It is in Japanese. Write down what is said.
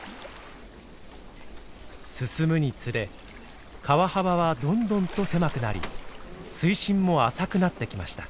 進むにつれ川幅はどんどんと狭くなり水深も浅くなってきました。